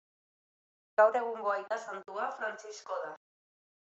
Gaur egungo aita santua Frantzisko da.